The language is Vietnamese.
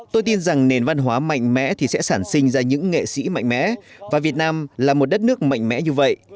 tôi tin rằng nền văn hóa mạnh mẽ thì sẽ sản sinh ra những nghệ sĩ mạnh mẽ và việt nam là một đất nước mạnh mẽ như vậy